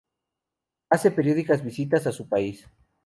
Hace periódicas visitas a su país.